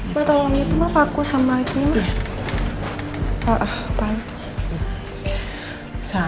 mbak tolongin mbak aku sama ini mbak